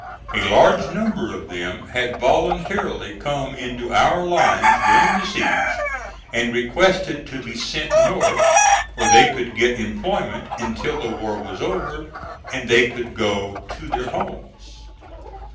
A large number of them had voluntarily come into our lines during the siege, and requested to be sent north where they could get employment until the war was over and they could go to their homes.